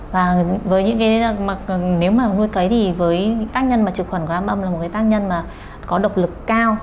và nếu mà nuôi cấy thì với tác nhân trực khuẩn gram mâm là một tác nhân có độc lực cao